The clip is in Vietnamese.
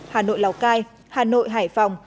hà nội lào cai hà nội hải phòng